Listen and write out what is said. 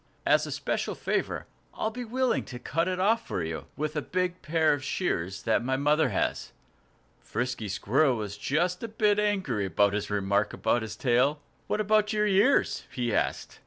As a special favor, I'll be willing to cut it off for you, with a big pair of shears that my mother has." Frisky Squirrel was just a bit angry at this remark about his tail. "What about your ears?" he asked.